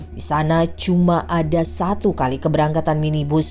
di sana cuma ada satu kali keberangkatan minibus